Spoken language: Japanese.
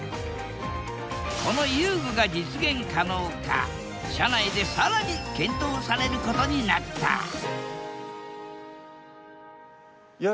この遊具が実現可能か社内で更に検討されることになったいや